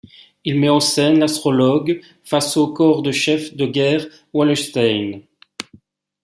Il met en scène l'astrologue face au corps du chef de guerre Wallenstein.